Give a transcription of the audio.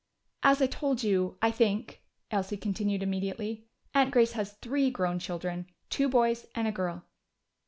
"As I told you, I think," Elsie continued immediately, "Aunt Grace has three grown children. Two boys and a girl."